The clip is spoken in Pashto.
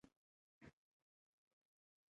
د حیوي کارونو د اجراکولو وړتیا لري.